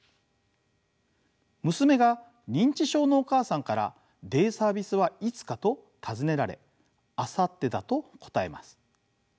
娘が認知症のお母さんからデイサービスはいつかと尋ねられ明後日だと答えます。